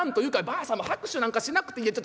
ばあさんも拍手なんかしなくていい。